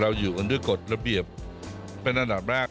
อยู่กันด้วยกฎระเบียบเป็นอันดับแรก